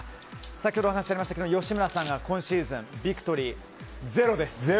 先ほどもありましたが吉村さんが今シーズンビクトリーゼロです。